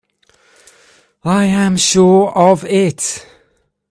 I am sure of it.